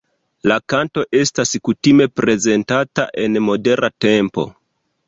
La kanto estas kutime prezentata en modera tempo.